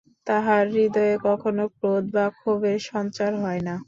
তাঁহার হৃদয়ে কখনও ক্রোধ বা ক্ষোভের সঞ্চার হয় না।